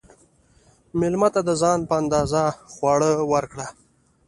مېلمه ته د ځان په اندازه خواړه ورکړه.